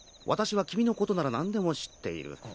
わたしは君のことなら何でも知っている。